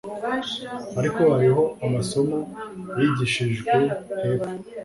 ariko hariho amasomo yigishijwe hepfo